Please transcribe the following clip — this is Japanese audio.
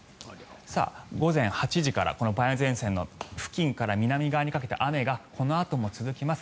午前８時からこの梅雨前線の付近から南側にかけて雨がこのあとも続きます。